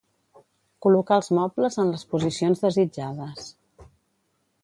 Col·locar els mobles en les posicions desitjades